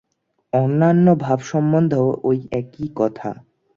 অন্যান্য ভাব সম্বন্ধেও এই একই কথা।